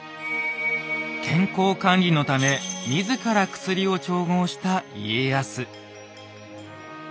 健康管理のため自ら薬を調合した家康。